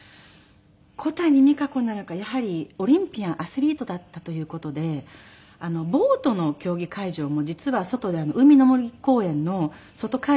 小谷実可子なのかやはりオリンピアンアスリートだったという事でボートの競技会場も実は外で海の森公園の外会場だったんですが。